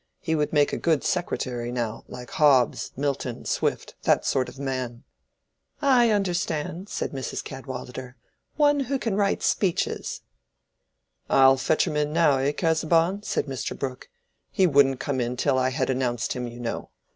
He would make a good secretary, now, like Hobbes, Milton, Swift—that sort of man." "I understand," said Mrs. Cadwallader. "One who can write speeches." "I'll fetch him in now, eh, Casaubon?" said Mr. Brooke. "He wouldn't come in till I had announced him, you know.